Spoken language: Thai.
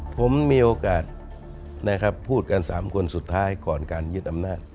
ผมมีโอกาสนะครับพูดกัน๓คนสุดท้ายก่อนการยึดอำนาจ